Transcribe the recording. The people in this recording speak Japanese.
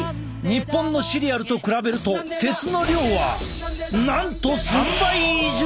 日本のシリアルと比べると鉄の量はなんと３倍以上！